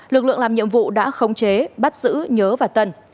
lực lượng làm nhiệm vụ đã khống chế bắt giữ nhớ và tân